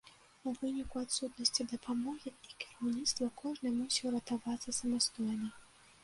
У выніку адсутнасці дапамогі і кіраўніцтва кожны мусіў ратавацца самастойна.